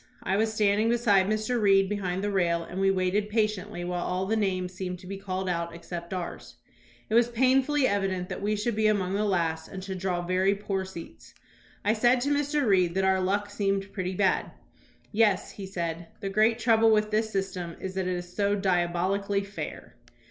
I was standing beside Mr. Reed behind the rail, and we waited pa tiently while all the names seemed to be called out except ours. It was painfully evident that we should be among the last and should draw very poor seats. I said to Mr. Reed that our luck seemed pretty bad. "Yes," he said, "the great trouble with this system is that it is so diabolically fair."